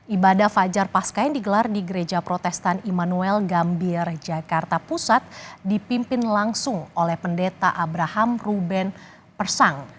ibadah fajar paska yang digelar di gereja protestan immanuel gambir jakarta pusat dipimpin langsung oleh pendeta abraham ruben persang